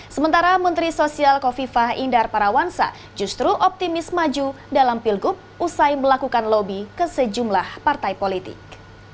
sementara menteri sosial kofifah indar parawansa justru optimis maju dalam pilgub usai melakukan lobby ke sejumlah partai politik